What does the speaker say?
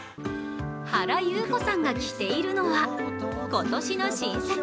原由子さんが着ているのは今年の新作。